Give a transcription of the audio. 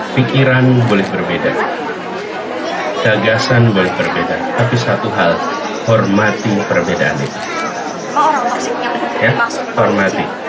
pikiran boleh berbeda kegagasan berbeda tapi satu hal hormati perbedaan